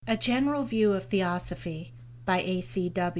A General View of Theosophy by A.